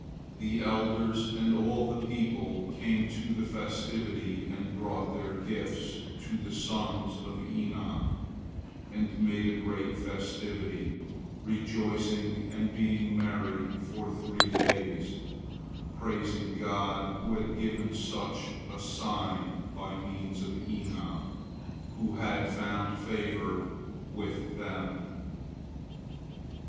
The elders and all the people came to the festivity and brought their gifts to the sons of Enoch, and made a great festivity, rejoicing and being merry for three days, praising God, who had given such a sign by means of Enoch, who had found favor with them.